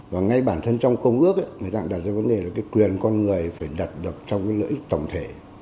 và ngay bản thân trong công ước người ta cũng đặt ra vấn đề là quyền con người phải đặt đập trong lợi ích tổng thể